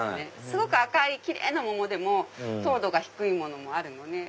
すごく赤いキレイな桃でも糖度が低いものもあるので。